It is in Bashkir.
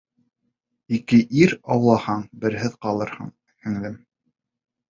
Ике ир аулаһаң, берһеҙ ҡалырһың, һеңлем!